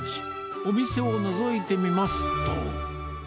お店をのぞいてみますと。